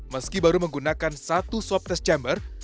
meski baru menggunakan satu swab test chamber